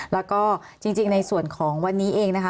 แล้วก็จริงในส่วนของวันนี้เองนะคะ